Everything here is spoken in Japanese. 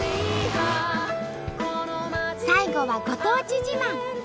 最後はご当地自慢。